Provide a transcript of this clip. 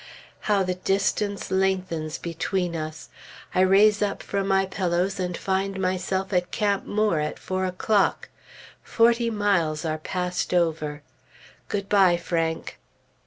How the distance lengthens between us! I raise up from my pillows and find myself at Camp Moore at four o'clock. Forty miles are passed over; good bye, Frank!